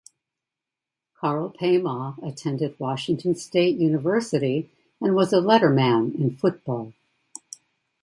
Karl Paymah attended Washington State University and was a letterman in football.